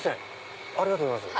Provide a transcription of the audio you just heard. ありがとうございます。